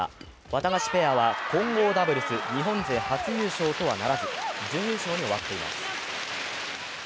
ワタガシペアは混合ダブルス日本勢初優勝とはならず、準優勝に終わっています。